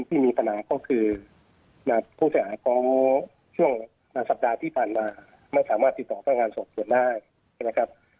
ครีมเป็นสถานีสำรายทางข้ายนะครับ